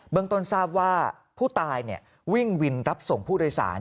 ต้นทราบว่าผู้ตายวิ่งวินรับส่งผู้โดยสาร